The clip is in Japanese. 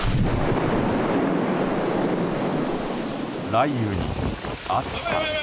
雷雨に暑さ。